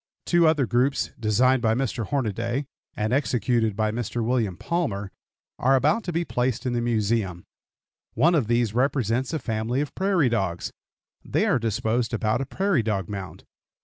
Two other groups designed by Mr. Hornaday, and executed by Mr. William Palmer, are about to be placed in the Museum. One of these represents a family of prairie dogs. They are disposed about a prairie dog mound.